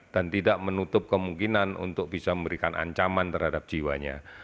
dan tidak menutup kemungkinan untuk bisa memberikan ancaman terhadap jiwanya